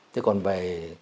thế còn về